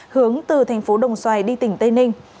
hướng từ thành phố đồng xoài đi tỉnh tây ninh